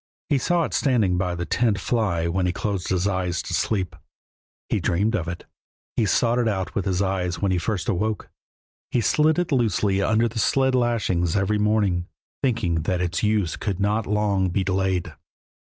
He saw it standing by the tent fly when he closed his eyes to sleep; he dreamed of it; he sought it out with his eyes when he first awoke. He slid it loosely under the sled lashings every morning, thinking that its use could not long be delayed.